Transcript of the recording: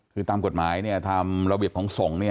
คือตามกฎหมายทำระเบียบของส่ง